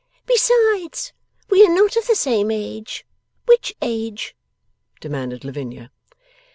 'Besides, we are not of the same age: which age?' demanded Lavinia.